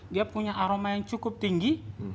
dia punya aroma yang cukup tinggi